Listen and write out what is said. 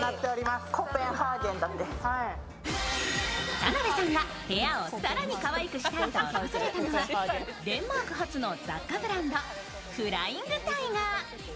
田辺さんが部屋を更にかわいくしたいと訪れたのはデンマーク発の雑貨ブランドフライングタイガー。